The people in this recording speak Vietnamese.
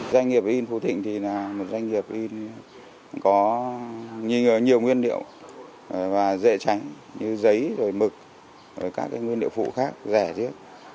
doanh nghiệp yn phú thịnh là một doanh nghiệp có nhiều nguyên liệu dễ tránh như giấy mực các nguyên liệu phụ khác rẻ